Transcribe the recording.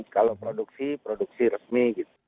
kalau produksi produksi resmi